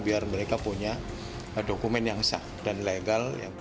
biar mereka punya dokumen yang sah dan legal